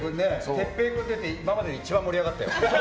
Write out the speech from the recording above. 徹平君出て今までで一番盛り上がったよ。